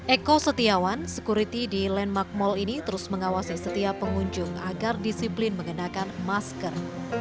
eko setiawan sekuriti di landmark mall ini terus mengawasi setiap pengunjung agar disiplin mengenakan masker